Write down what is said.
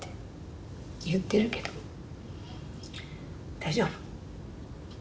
大丈夫。